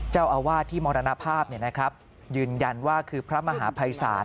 เจ้าอาวาสที่มรณภาพยืนยันว่าคือพระมหาภัยศาล